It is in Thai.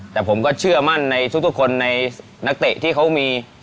แต่ผมก็เชื่อมั่นในทุกคนในนักเตะที่เขามี